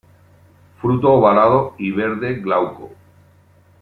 Fruto ovalado y verde glauco.